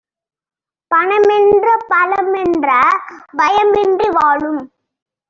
பணமென்ற பலமென்ற பயமின்றி வாழும்